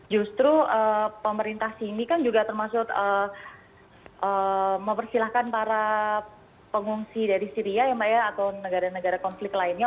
justru pemerintah sini kan juga termasuk mempersilahkan para pengungsi dari syria ya mbak ya atau negara negara konflik lainnya